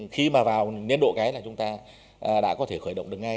khi mà vào niên độ cái là chúng ta đã có thể khởi động được ngay